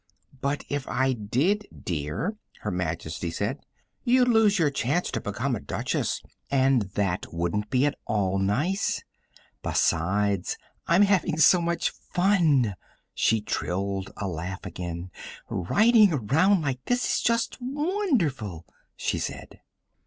"But if I did, dear," Her Majesty said, "you'd lose your chance to become a Duchess, and that wouldn't be at all nice. Besides, I'm having so much fun!" She trilled a laugh again. "Riding around like this is just wonderful!" she said.